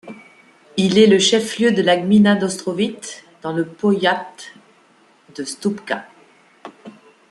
Il est le chef-lieu de la gmina d'Ostrowite, dans le powiat de Słupca.